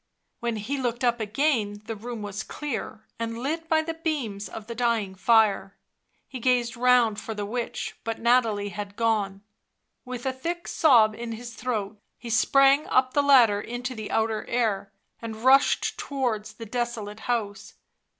... When he looked up again the room was clear and lit by the beams of the dying fire; he gazed round for the witch, but Nathalie had gone. With a thick sob in his throat he sprang up the ladder into the outer air, and rushed towards the desolate house.